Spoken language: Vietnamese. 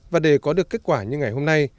và để có được kết quả như ngày hôm nay